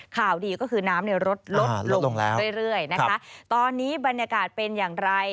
ข่าวดีก็คือน้ำในรถลดลงแล้วเรื่อยเรื่อยนะคะตอนนี้บรรยากาศเป็นอย่างไร